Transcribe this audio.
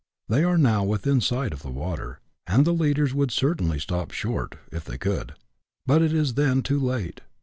They are now within sight of the water, and the leaders would certainly stop short — if they could, but it is then too late.